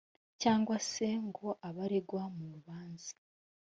cyangwa se ngo abe aregwa mu rubanza